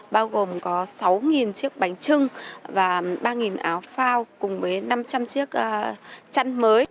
bao gồm có sáu chiếc bánh trưng và ba áo phao cùng với năm trăm linh chiếc chăn mới